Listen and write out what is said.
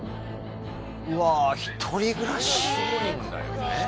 うわぁ一人暮らし。